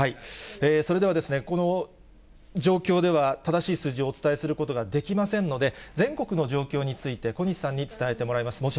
それでは、この状況では正しい数字をお伝えすることができませんので、全国の状況について小西さんに伝えてもらいます。